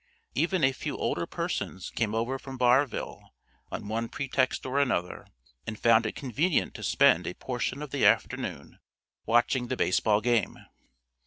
Even a few older persons came over from Barville on one pretext or another, and found it convenient to spend a portion of the afternoon watching the baseball game.